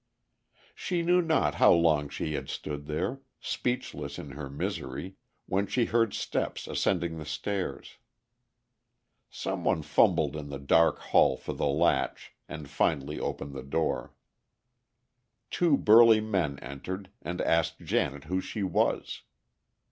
She knew not how long she had stood there, speechless in her misery, when she heard steps ascending the stairs. Some one fumbled in the dark hall for the latch, and finally opened the door. Two burly men entered, and asked Janet who she was.